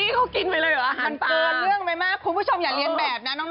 มันเกิดเรื่องไหมมากคุณผู้ชมอย่าเรียนแบบนะ